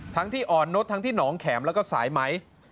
ที่อ่อนนุษย์ทั้งที่หนองแข็มแล้วก็สายไหม